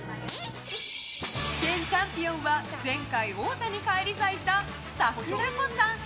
現チャンピオンは前回、王座に返り咲いたさくらこさん。